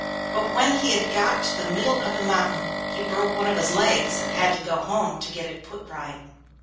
But when he had got to the middle of the mountain he broke one of his legs, so he had to go home to get it put right.